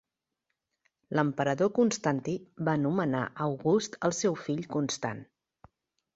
L'emperador Constantí va nomenar august al seu fill Constant.